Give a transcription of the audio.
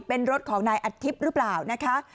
เป็นรถของนายอัดทิพย์หรือเปล่านะคะ